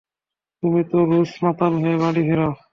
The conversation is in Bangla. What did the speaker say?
তুমি তো রোজ মাতাল হয়ে বাড়ি ফেরো।